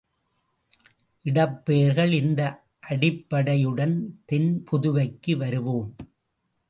இடப்பெயர்கள் இந்த அடிப்படையுடன் தென் புதுவைக்கு வருவோம்.